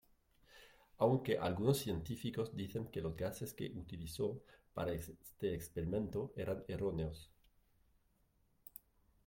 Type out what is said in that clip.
Aunque algunos científicos dicen que los gases que utilizó para este experimento eran erróneos.